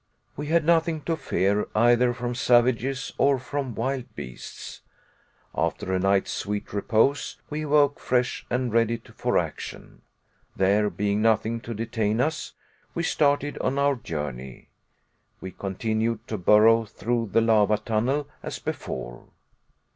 We had nothing to fear either from savages or from wild beasts. After a night's sweet repose, we awoke fresh and ready for action. There being nothing to detain us, we started on our journey. We continued to burrow through the lava tunnel as before.